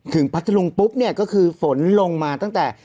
ถึงพัทรุงปลุ๊บก็คือฝนลงมาตั้งแต่